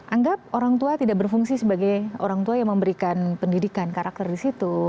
anggap orang tua tidak berfungsi sebagai orang tua yang memberikan pendidikan karakter di situ